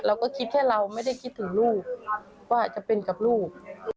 เราก็คิดแค่เราไม่ได้คิดถึงลูกว่าจะเป็นกับลูก